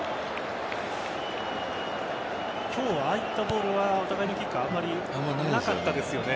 今日はああいったボールはお互いにキックはあまりなかったですよね。